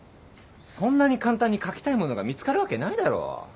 そんなに簡単に書きたいものが見つかるわけないだろ。